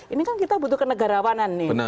ini kan kita butuh kenegarawanan nih